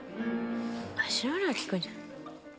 足の裏は効くんじゃない？